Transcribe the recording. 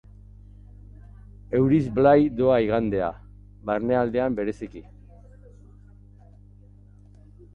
Euriz blai doa igandea, barnealdean bereziki.